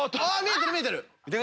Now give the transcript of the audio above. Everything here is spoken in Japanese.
見えてる見えてる！